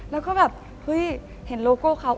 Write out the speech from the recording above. แล้วก็เห็นโลโก้เขา